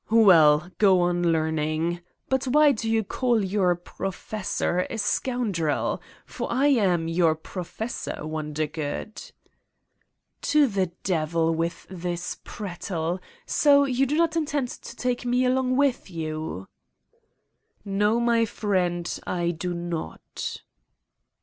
"Well, go on learning. But why do you call your professor a scoundrel : For I am your pro fessor, Wondergood!" "To the devil with this prattle. So ... you do not intend to take me along with you?" '' No, my friend, I do not.